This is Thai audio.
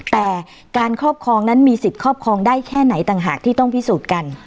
แต่การครอบครองนั้นมีสิทธิ์ครอบครองได้แค่ไหนต่างหากที่ต้องพิสูจน์กัน